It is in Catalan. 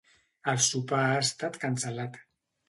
El sopar ha estat cancel·lat.